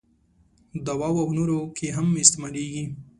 دواوو او نورو کې هم استعمالیږي.